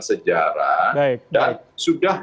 sejarah dan sudah